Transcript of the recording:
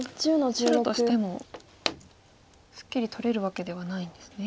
白としてもすっきり取れるわけではないんですね。